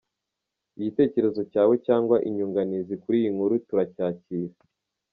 Igitekerezo cyawe cyangwa inyunganizi kuri iyi nkuru turacyakira.